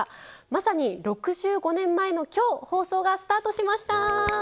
まさに６５年前の今日放送がスタートしました。